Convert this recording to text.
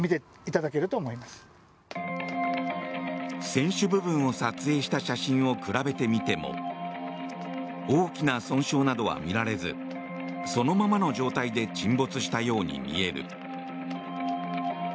船首部分を撮影した写真を比べてみても大きな損傷などは見られずそのままの状態で沈没したように見える。